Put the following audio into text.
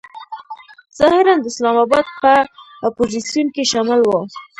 ظاهراً د اسلام آباد په اپوزیسیون کې شامل و.